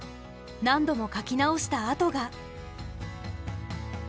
何度も描き直した跡が。